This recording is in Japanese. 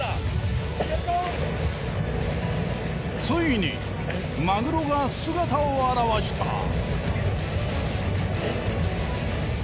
ついにマグロが姿を現した。